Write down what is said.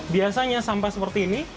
biasanya sampah seperti ini